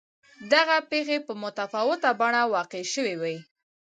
دغه پېښې په متفاوته بڼه واقع شوې وای.